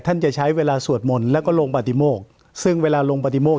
จะใช้เวลาสวดมนต์แล้วก็ลงปฏิโมกซึ่งเวลาลงปฏิโมก